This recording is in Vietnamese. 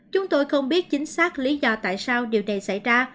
chúng tôi không biết chính xác lý do tại sao điều này xảy ra